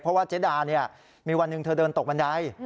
เพราะว่าเจ๊ดาเนี่ยมีวันหนึ่งเธอเดินตกบันได